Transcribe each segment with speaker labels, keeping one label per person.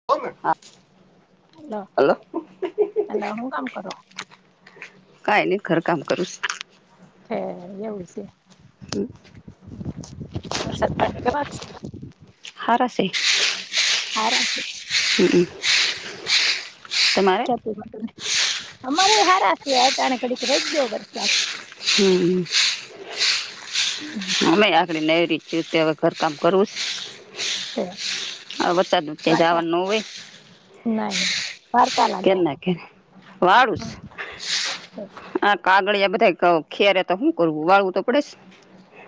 Speaker 1: [inaudible]
Speaker 2: Hello
Speaker 1: hello
Speaker 2: hello હું કામ કરો
Speaker 1: કઈ ની ઘર કામ કરું
Speaker 2: છે એવું છે.
Speaker 1: હમ્મ
Speaker 2: [inaudible]
Speaker 1: હારા શે
Speaker 2: હારા શે
Speaker 1: [unintelligible] તમાર
Speaker 2: અમારે સારા છે [unintelligible]
Speaker 1: હમ્મ મે આકરી નેહરી [unintelligible] ગર કામ કરવું છ
Speaker 2: [unintelligible]
Speaker 1: આ વરસાદ ક્યાં જવાનું નહિ હોય
Speaker 2: નાઈ
Speaker 1: કેમ ના કે વારુસ આ કાગળિયા બધા ક ખેરે તો હું કરવું વાળવું તો પડેસ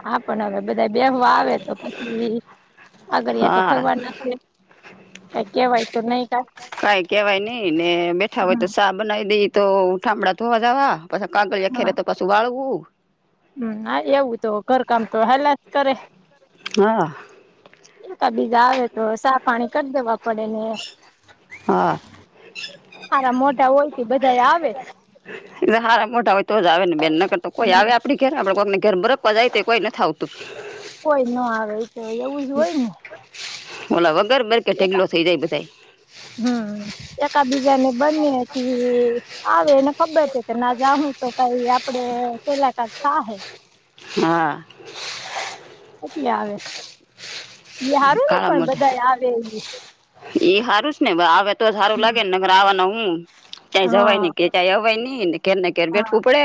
Speaker 2: હા પણ હવે બધા બેહવા આવે તો પછી આગળિયા તો
Speaker 1: હા
Speaker 2: ખરવાના છે કઈ કેવાય તો નહી કા
Speaker 1: કઈ કેવાય ની ને બેઠા હોય તો સા બનાવી દઈ તો [unintelligible] કાગળ અખેરે તો પાછું વાળવું
Speaker 2: હમ્મ મારે એવુજ ઘર કામ તો હલયાચ કરે
Speaker 1: હા
Speaker 2: [unintelligible] એ ત બીજા આવે તો ચા પાની કર દેવા પડે ને
Speaker 1: હા
Speaker 2: હારા મોટાઇ હોય તે બધા આવે
Speaker 1: સારા મોટા હોય તો જ આવે ને બેન નકર તો કોઈ આવે આપણી ઘેર આપણે કોકની ઘેર [unintelligible] કોઈ નથ આવતું
Speaker 2: કોઈ ન આવે તો એવું જ હોય ને
Speaker 1: ઓલા વગર [unintelligible] બધાય
Speaker 2: હમ એકા બીજા ને [unintelligible] આવે એને ખબર છે ને જાઉં તો આપડે [unintelligible]
Speaker 1: હા
Speaker 2: પટલી આવે એ હારું ને
Speaker 1: હા
Speaker 2: પણ
Speaker 1: મોઢ
Speaker 2: બધા આવે ઈ
Speaker 1: ઈ સારું છે ને આવે તો સારું લાગેને વાના હું ચઈ જવાય ને
Speaker 2: હા
Speaker 1: કે ચઈ અવાય નહી ઘર ને ઘેર
Speaker 2: હા
Speaker 1: બેઠવું પડે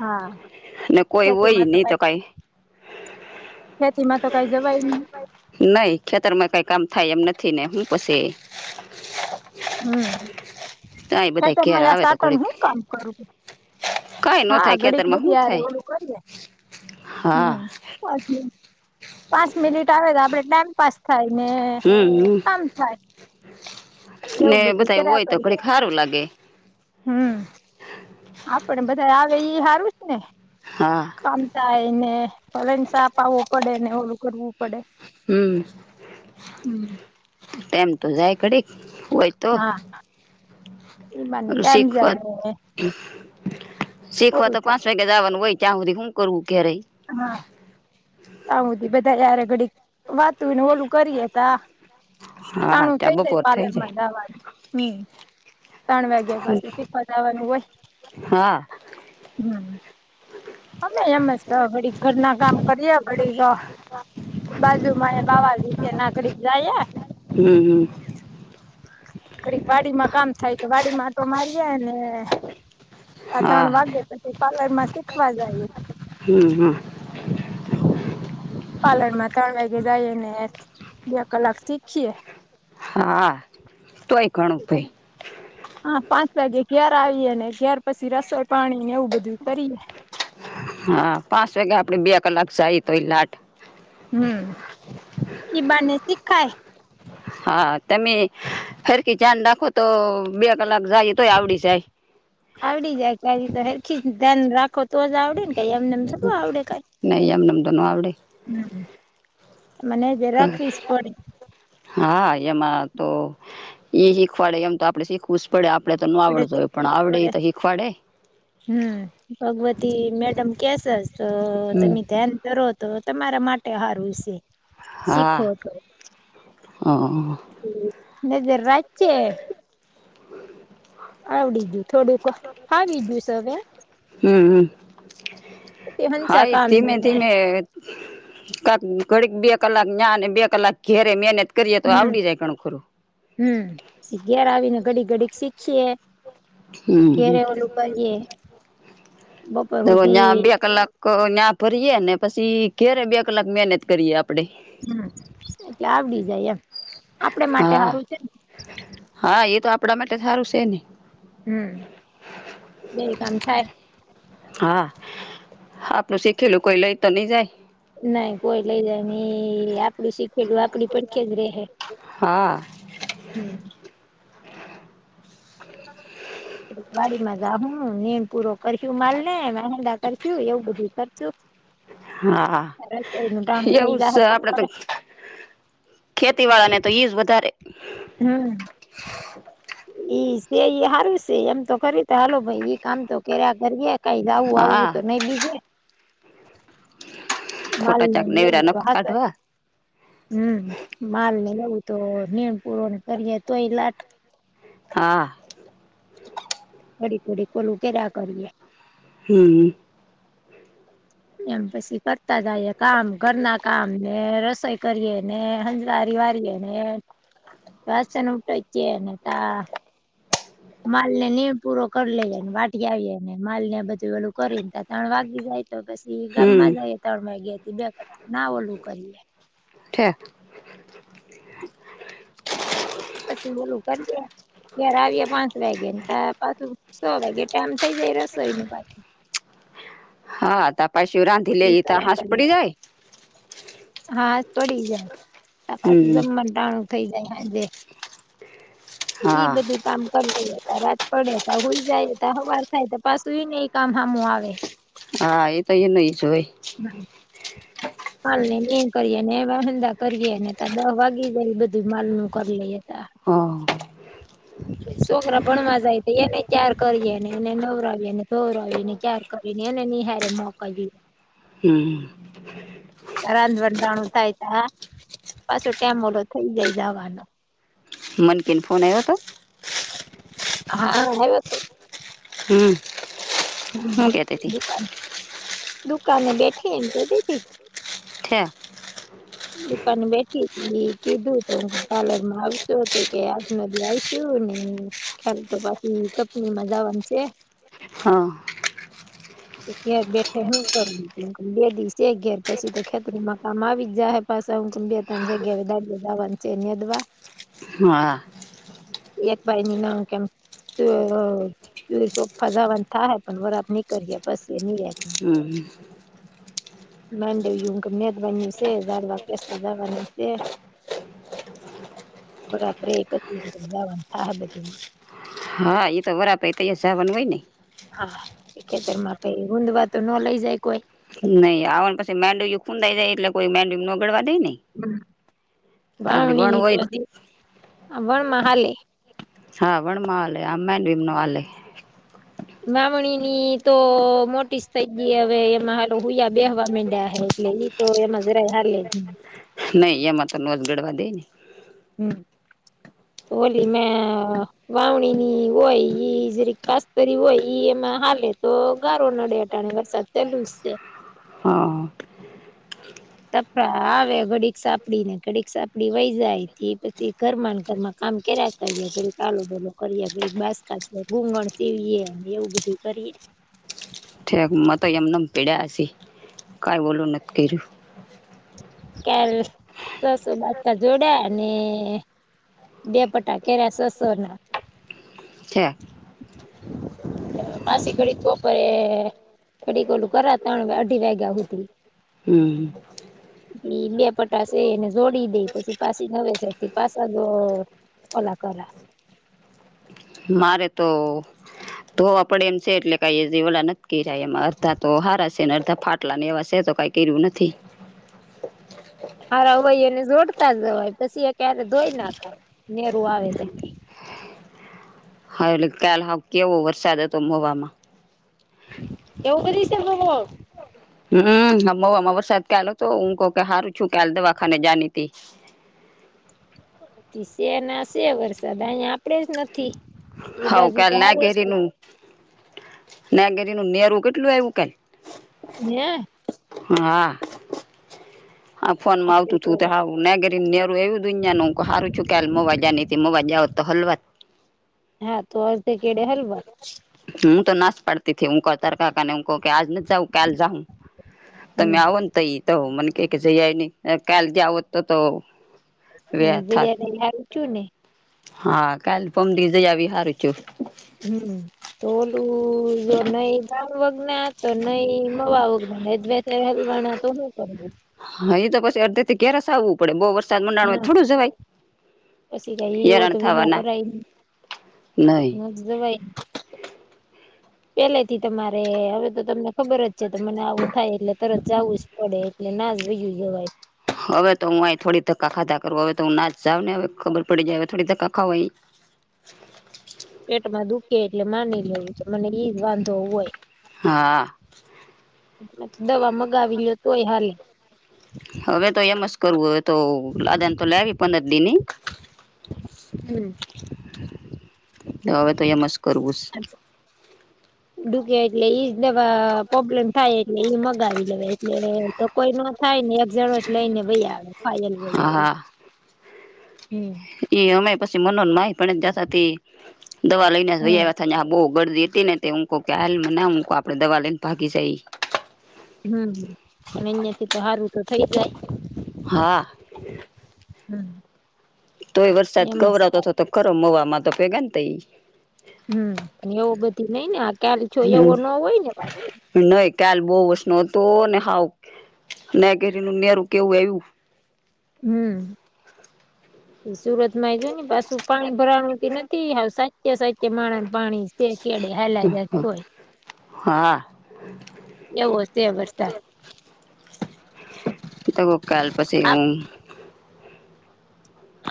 Speaker 2: હા
Speaker 1: ને કોઈ હોય નહી તો કઈ
Speaker 2: ખેતીમાં તો કઈ જવાય ની.
Speaker 1: નઈ ખેતર માં કઈ કામ થાય એમ નથી ને હું પછી
Speaker 2: હમ્મ
Speaker 1: ત્યાં બધા ઘેર
Speaker 2: [unintelligible]
Speaker 1: આવે તો
Speaker 2: સાઠ
Speaker 1: ઘડીક
Speaker 2: હું કામ કરું
Speaker 1: કાંઈ ન
Speaker 2: હા
Speaker 1: થાય
Speaker 2: ઘડીક
Speaker 1: ખેતરમાં શું
Speaker 2: બધી હરે
Speaker 1: થાય
Speaker 2: ઓધું કરીએ
Speaker 1: હા
Speaker 2: હમ્મ પા પાંચ મિનિટ આવે તો આપડ ટાઈમ પાસ થાય ને
Speaker 1: હમ હમ.
Speaker 2: આમ થાય
Speaker 1: ને
Speaker 2: એવું બધું
Speaker 1: બધા હોય તો ખડીક હારું લાગે
Speaker 2: હમ્મ આપડ બધા આવે એ હારું જને
Speaker 1: હા
Speaker 2: કામ થાય એને ભલે ને સાપ આવવો પડે ને ઓલું કરવું પડે
Speaker 1: હમ્મ
Speaker 2: હમ.
Speaker 1: ટેમ તો જાય કડીક હોય
Speaker 2: હા એ બાને ટાઈમ
Speaker 1: સીખ વા
Speaker 2: જાય
Speaker 1: સીખ
Speaker 2: ઓલું
Speaker 1: તો
Speaker 2: થાય
Speaker 1: પાંસે કે જવાનું હોય ક્યાં હુધી હું કરું ક્યારે
Speaker 2: હા આવુંધ બધા યાર ઘડી વાત તું એને ઓલું કરીએ તા
Speaker 1: હા
Speaker 2: તાણું
Speaker 1: ત્યાં
Speaker 2: થઈ જાય
Speaker 1: બપોર થઈ
Speaker 2: પાર્લર માં
Speaker 1: જાય
Speaker 2: દાવાનું હમ્મ ત્રણ વાગ્યા પાસે શીખવા જાવાનું હોય.
Speaker 1: હા
Speaker 2: હમ અમે એમ જ ઘડી ઘરના કામ કરીએ ઘડિક બાજુ મહે બાવા રીતે નાકડી જાયે.
Speaker 1: હમ હમ
Speaker 2: ઘડીક વાડી માં કામ થાય તો વાડીમાં આટો મારીએ ને આ
Speaker 1: હા
Speaker 2: ત્રણ વાગે પછી પાર્લર માં શીખવા જાયએ
Speaker 1: હમ હમ
Speaker 2: પાર્લર માં ત્રણ વાગે જઈ ને બે કલાક શીખીએ
Speaker 1: હા તોય ઘણું ભાઈ
Speaker 2: હા પાંચ વાગે ઘેર આવીએે ને ઘરે પછી રસોઈ પાણી ને એવું બધું કરીએ
Speaker 1: હા પાંચ વાગે આપડે બે કલાક જાય તો એ લાટ
Speaker 2: હમ ઈ બાને શીખાય
Speaker 1: હા તમે સરખી ધ્યાન રાખો તો બે કલાક જઈએ તોય આવડી જાય
Speaker 2: આવડી જાય કંઇ હરખી જ ધ્યાન રાખો તો જ આવડીે ને કંઇ એમનેમ
Speaker 1: નહીં એમનેમ તો ન આવડે
Speaker 2: હમ મને જે રાખવીશ પડે [unintelligible]
Speaker 1: હા એમાં તો ઈ શીખવાડે એમ તો આપડે શીખવુ હુંસ પડે આપણે તો ન
Speaker 2: પડે
Speaker 1: આવડતું હોય
Speaker 2: શીખવું
Speaker 1: પણ
Speaker 2: જ
Speaker 1: આવડે
Speaker 2: પડે
Speaker 1: એ તો શીખવાડે
Speaker 2: હમ ભગવતી મેડમ કેસે તો
Speaker 1: હમ
Speaker 2: તમે ધ્યાન કરોતો તમારા માટે સારું છે શીખો
Speaker 1: હા
Speaker 2: તો
Speaker 1: હમ
Speaker 2: નજર રાત છે [unintelligible] આવડી ગયુ થોડુંક ફાવી ગયુ છે હવે
Speaker 1: હમ હમ
Speaker 2: તે હંસા
Speaker 1: હા એ
Speaker 2: કામ
Speaker 1: ધીમેધીમે કાંક ઘડી બે કલાક ન્યાયને બે કલાક ઘેરે મહનત કરીએ તો
Speaker 2: હમ
Speaker 1: આવડી જાય ધણું ખરું
Speaker 2: હમ ઘર આવીને ઘડી ઘડીક શીખીએ
Speaker 1: હમ
Speaker 2: ઘરે ઓલું કે [unintelligible]
Speaker 1: હ્યાં બે કલાક નયા ભરીએ ને પછી ઘરે બે કલાક મહેનત કરીએ આપડે
Speaker 2: હમ આવડી જાય એમ આપડે માટે
Speaker 1: હા
Speaker 2: સારું છે ને
Speaker 1: હા એ તો આપડા માટે જ સારું છે ને
Speaker 2: હમ બે કામ થાય.
Speaker 1: હા આપણું શીખેલું કોઈ લઈ તો નઈ જાય.
Speaker 2: નાઈ કોઈ લઇ જાય નઈ આપડું શીખેલું આપડી પડખે જ રહે
Speaker 1: હા
Speaker 2: હમ [inaudible] વાડી માં જા હું નિન પૂરો કરશુ માલ ને વાહેંદા કરશું એવું બધું કરશું
Speaker 1: હા
Speaker 2: રસોઈ નું ટાણું થઈ
Speaker 1: એવું
Speaker 2: જાહે
Speaker 1: છે આપડે તો
Speaker 2: બપોરે
Speaker 1: ખેતીવાળા ને તો ઈજ વધારે
Speaker 2: હમ ઈ સે ઈ હારું છે એમ તો કરી તો હાલો ભાઈ ઈ કામ તો કર્યા કરીએે. કઈ જાવું આવવું તો
Speaker 1: હા
Speaker 2: નઈ બીજે
Speaker 1: ખોટા
Speaker 2: માલને
Speaker 1: ચાક
Speaker 2: એવું
Speaker 1: નેવરા
Speaker 2: તો
Speaker 1: નખ
Speaker 2: હાચવે
Speaker 1: કાઢવા
Speaker 2: હમ માલ ને નેવું તો નીણ પુરોને કરીએે તો એય લાટ
Speaker 1: હા
Speaker 2: ઘડી ધડી ઓલું કરીયા કરીએ
Speaker 1: હમ
Speaker 2: એમ પછી કરતા જઈ કામ ઘરના કામ ને રસોઈ કરીએ ને હંજવારી વારીએ ને વાસન ઉટકીયે ને કા માલ ને નિન પૂરો કરી લઇએ ને વાઢી આવીએ ને માલ ને બધું ઓલુ કરી એ ને ત્રણ વાગી જાય. તો પછી
Speaker 1: હમ
Speaker 2: ગામમાં જઈ ત્રણ વાગ્યે બે કલાક ના ઓલું કરીએ
Speaker 1: ઠેક [inaudible]
Speaker 2: પછી ઓલું કરીએ ઘેર આવીએ પાંચ વાગ્યા ને ત પાછું છ વાગે ટાઈમ થઇ જાય રસોઈ નું પાછું
Speaker 1: હા તા પાછું રાંધી
Speaker 2: ઈ
Speaker 1: લેઈતો
Speaker 2: કર્યા
Speaker 1: હાંસ પડી જાય.
Speaker 2: હા પડી જાય આ પાછું
Speaker 1: હમ
Speaker 2: જમવા ટાણું થઈ જાય સાંજે ઈ
Speaker 1: હા
Speaker 2: બધું કામ કરી લે ત્યાં રાત પડે તા સૂઈ જાય ત હવાર થાય તો પાછું ને એ કામ સામું આવે
Speaker 1: હા એતો ઇન ઈન જ હોય
Speaker 2: હ માલ નિન કરીએ ને એ વાંધા કરીએ ને ત દહ વાગી જાય એ બધું માલ નું કરી લઈ તા
Speaker 1: હા
Speaker 2: [inaudible] છોકરા ભણવા જાય તો એને ત્યાર કરીએ અને એને નવરાવીએને ધોવરાવી ને ત્યાં કરીને એન નિહારે મોકાલવી
Speaker 1: હમ
Speaker 2: રાંધવાનું ટાણું થાય તા પાછું ટેમ ઓલો થઈ જાય જાવાનો
Speaker 1: મનકીન ફોન આવ્યો તો
Speaker 2: હા આયોતો
Speaker 1: હમ
Speaker 2: હમ
Speaker 1: હું કેતી હતી
Speaker 2: દુકાન દુકાને બેઠી એમ કેતીતી
Speaker 1: ઠેક
Speaker 2: દુકાન બેઠી હતી કીધું હત હું પાર્લર માં આવતો હતો કે નદી આવીશું ને ખ્યાલ તો પછી કપનીમાં જાવાનું છે
Speaker 1: હા
Speaker 2: કે ઘેર બેઠે હું કરવુ બે દિવસે ઘર પછી તો ખેતરમાં કામ આવી જ જાહે પાછું હુંક બે ત્રણ જગ્યાએ દાડી જવાનુ છે નીદવા
Speaker 1: હા
Speaker 2: એત ભાઈ નના કેમ [unintelligible] થા હૈ પણ વરા આપ ની કરીએે પસી નિરાંત
Speaker 1: [unintelligible]
Speaker 2: માંડું કેને બન્યું છે ડવા કેસવા જવાનું છે આપે પછીવા થ બધી
Speaker 1: હા તો વરાબર ત સાન હોય ને
Speaker 2: હા ખેતર માં કઈ ઊંધવા તો ન લઇ જાય કોઈ
Speaker 1: નહી આવને પછી માંડુ ખુંડાઈ જાય એટલે કોઈ માંડુ નગળવા દે ન
Speaker 2: વાવણી ની તો
Speaker 1: હોય
Speaker 2: ભણમાં હાલે
Speaker 1: હા વણમાં હલે આમનમનો હલે
Speaker 2: મામણી ની તો મોટી જ થઈ ગઈ હવે એમાં હાલો હૂયા બેહવા મેડા્યા હે એટલે તો એ મજ ર હાર લ
Speaker 1: નઈ એમાં ત નોતગડવા દે ને
Speaker 2: હમ તો હોલી મે વાવણી ની હોય ઈજરી ખસ્તરી હોય એમાં હાલે તો ગારો નડે ટણીવા સત લુજ છે
Speaker 1: હા
Speaker 2: તફડા આવે ઘડીક સાપડી ને ઘડીક સાપડી વહી જાય થી પછી ઘરમાં ઘર કામ કે્યારે કરીએ ઘડી કાલ બોલો કરીએ ઘ બાસકાી ઘુંગણ ચીવીએ એવું બધું કરીએ
Speaker 1: ઠક મ તો એમને પીડ્યાસી કઈ બોલું નથી કર્યું
Speaker 2: ક્યારે રસો બાા જોડાયા ને બે પટા કે સસો ના
Speaker 1: અચ
Speaker 2: [unintelligible] કેેડી કોલું કર તણ અઢી વાગ્યા સુતી.
Speaker 1: હમ્મ.
Speaker 2: હમ્મ બે પટશ એને જોડી દે પછી પાછી નવે ચર થી પાસા હમ્મ ઓલા કોલા.
Speaker 1: મારે તો તો આપડે એમ છે એટલે કઈ નકી એમાં અડધા તો હારા છે ને અડધા ફાટ પટલા ને એવા છે તો કઈ કર્યું નથી.
Speaker 2: હાર વય એને જોડતા જવાય પછી એ ક્યારે ધોઈ નાખાય નેરું આવે તો.
Speaker 1: હા એટલે કાલ હ કેવો વરસાદ હતો મોવામાં.
Speaker 2: [unintelligible]
Speaker 1: હમ્મ વરસાદ કલો તો કે હારું છું કેલ દવાખાને જનીટી.
Speaker 2: શે ના શે વરસાદ અહીં આપડે જ નથી એ બાજુ તો હારુ.
Speaker 1: નાગેરી નું નેરું કેટલું આવું કઈ.
Speaker 2: હમ્મ.
Speaker 1: હા. હા ફોન માં
Speaker 2: આપડે
Speaker 1: આવતું
Speaker 2: તો
Speaker 1: તું હું. નાગરી નેરું એવું દુનિયા નનું હારું છું કેલ મોવાજા હ મોવાજા હોત તો હલવાત.
Speaker 2: હા ત અર્થે કેડે હલવા.
Speaker 1: હું તો નાશ પડતી થી હું ક. ત કકાને એું કહું કે આજ ન જાઉ કાલ જાઉ
Speaker 2: હમ
Speaker 1: તોમેં આવો તોઈ તો મ કે કે છે એ ન કાલ જઓ તો તો વે થાત
Speaker 2: [unintelligible]
Speaker 1: હા. [unintelligible]
Speaker 2: હમ્મ. તો ઓલું જો નઈ. [unintelligible] [unintelligible] તું હું કરું.
Speaker 1: હા એ તો પછી અડધેથી્ય્યારેસ આવવું પડે બઉ વરસાદ મમાંડાડણમાંય થોડું જવાય.
Speaker 2: અછી કહી ઓ
Speaker 1: હેરાણ
Speaker 2: તો
Speaker 1: થવાના
Speaker 2: મોકહી.
Speaker 1: નહી
Speaker 2: પેલે થી તમારે હવે તો તમને ખબર જ છે મને આવું થાય એટલે તરત જવું જ પડે એટલે ના [unintelligible] જવાય
Speaker 1: હવે તો હું અ થોડી ધક્કા ખાધા કરું હવે તો હું ના જ ને હવે ખબર પડી જાય હવે થોડી ધક્કા ખાવ.
Speaker 2: પેટમાં દુખે એટલે માની લેવું છે મને એઈ વાંધો હોય.
Speaker 1: હા.
Speaker 2: દવા મગાવી લોયો તો હોય હાલે.
Speaker 1: હવે તો એમ જ કરવું હવે તો આદન તો લે પંદર દિન ની.
Speaker 2: હમ્મ.
Speaker 1: તો હવે તો એમ જ કરવું.
Speaker 2: ડુકે એટલે ઈજ નવા પ્રોબ્લેમ થાય. એટલે ઈ મગાવી લેવા એટલે તો કોઈ ન થાય ને એક જણો જ લઈને વૈ આવે. પાયલ બોલે તે.
Speaker 1: હા એ અમે પછી મનો માહી પણ જતા દવા લઈને
Speaker 2: હા
Speaker 1: વયા. તજા બહુ ગર્દી હતી ને તે હુંકો કે હ ના હુંકો આપડે દવા લઈને ભાગી જઈ.
Speaker 2: હમ્મ પણ અહં થી તો સારું તો થઈ જાય.
Speaker 1: હા.
Speaker 2: હમ્મ.
Speaker 1: તોય વરસાદ ગવરાતો હતો, તો ખરો મવામાં તો ભેગા ને થઈ.
Speaker 2: હમ્મ એવો બધી નઈ ને આ ક્યાલ છ એવો ન હોય ને.
Speaker 1: નહી કલ બહુ વસ ન હતો ને હાવ ન ઘરી ન નેરું કેવું આવ્યું.
Speaker 2: હમ્મ એ સુરતમાં એ જો ને પાછું પાણી ભરાવાનું ન થી હ સાચે સાચે માણ પાણી તે કેડે હલા જ કોય.
Speaker 1: હા.
Speaker 2: એવો છે વરસાદ
Speaker 1: તો કાલ પછી હું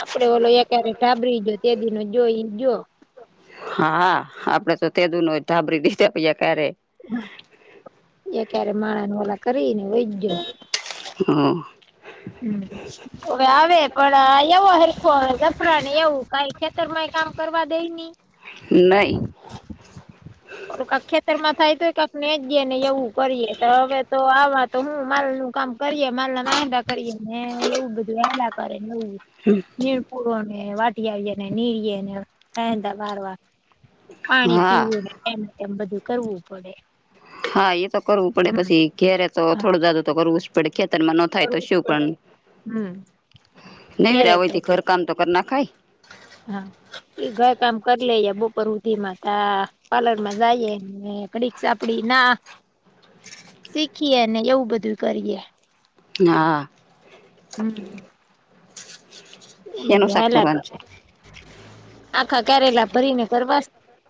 Speaker 2: આપડે ઓલો એક્યારે ટા બરી જા તે દિ ન જોઈ જો.
Speaker 1: હા, આપડે તો તે દુ ન ધાબરી દીધા પી ક્યારે.
Speaker 2: એ ક્યારે માણા ન ઓલા કરી ને વયજો.
Speaker 1: હા.
Speaker 2: હમ્મ, હવે આવે પણ એવો હખ જપડા એવું કઈ તરમા ય કામ કરવા દેઈ ની.
Speaker 1: નઈ.
Speaker 2: ઓલું કાક ખેતર માં થાય તોય કાક ને જયે ને એવું કરીએે તો હવે તો આવા તો હું માલ નુ કામ કરીએે માલા મંદા કરીએ ને એવું બધું એલા કરે ને એવું.
Speaker 1: હમ્મ.
Speaker 2: નીણ પૂરો ને વાટી આવીએને નીરીએ ને રાતા વાર વારવાનું. પાણી
Speaker 1: હા
Speaker 2: પીવું તેમ તેમ બધું કરવું પડે.
Speaker 1: હા એ તો કરવું પડે
Speaker 2: હમ
Speaker 1: પછી ઘેરે તો
Speaker 2: હા
Speaker 1: થોડું જાદું તો કરવું જ પડે ખેતરમાં નો થાય તો
Speaker 2: કરવું જ
Speaker 1: શું
Speaker 2: પડે
Speaker 1: પણ,
Speaker 2: હમ ક્યારે
Speaker 1: નવરા
Speaker 2: કરીએ
Speaker 1: હોયથી ઘર કામ તો કર નાખાય.
Speaker 2: હા, એ ઘર કામ કરી લેએ બપોર હુધી માં તા પાર્લર માં જઈએ. ને કડીક સાપડી ના શીખીએ ને એવું બધું કરીએ.
Speaker 1: હા.
Speaker 2: હમ્મ. બધું
Speaker 1: શેનું શાક
Speaker 2: હલ્યા
Speaker 1: કરવાનું છે
Speaker 2: કરે. આખા કેયારેલા ભરીને કરવાસ?